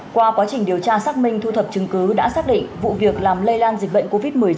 qua quá trình điều tra xác minh thu thập chứng cứ đã xác định vụ việc làm lây lan dịch bệnh covid một mươi chín